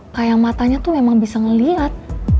kayak yang matanya tuh emang bisa ngeliat